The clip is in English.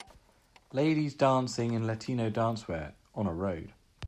Ladies dancing in Latino dancewear, on a road.